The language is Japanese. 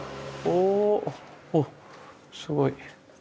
おすごい。